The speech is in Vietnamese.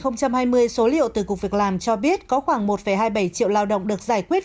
năm hai nghìn hai mươi số liệu từ cục việc làm cho biết có khoảng một hai mươi bảy triệu lao động được giải quyết